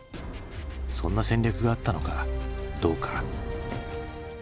そんな戦略があったのかどうか。